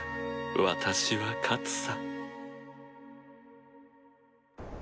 私は勝つさ。